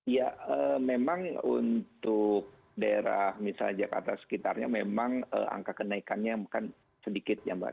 ya memang untuk daerah misalnya jakarta sekitarnya memang angka kenaikannya kan sedikit ya mbak